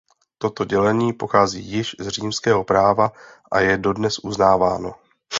Toto dělení pochází již z římského práva a je dodnes uznáváno.